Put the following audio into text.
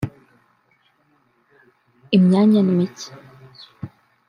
Imyanya ni mike